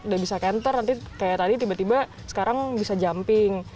udah bisa canter nanti kayak tadi tiba tiba sekarang bisa jumping